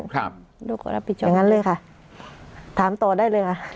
อย่างนั้นเลยค่ะถามต่อได้เลยค่ะ